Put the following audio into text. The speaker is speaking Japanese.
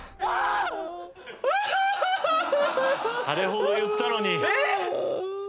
あれほど言ったのにえっ！？